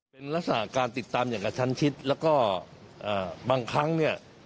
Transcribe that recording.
เป็นลักษณะการติดตามอย่างกับชั้นชิดแล้วก็บางครั้งเนี่ย